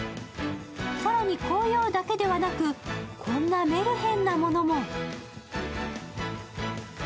更に紅葉だけではなく、こんなメルヘンなものも。